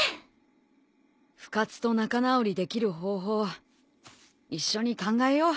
深津と仲直りできる方法一緒に考えよう。